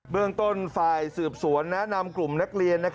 เมืองต้นฝ่ายสืบสวนแนะนำกลุ่มนักเรียน